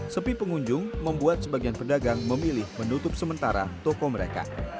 sepi pengunjung membuat sebagian pedagang memilih menutup sementara toko mereka